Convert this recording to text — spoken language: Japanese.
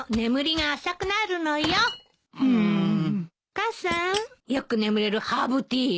母さんよく眠れるハーブティーよ。